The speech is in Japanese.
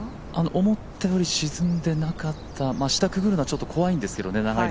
思ったより沈んでなかった、下くぐるのは長いので、ちょっと怖いんですけどね。